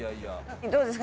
どうですか？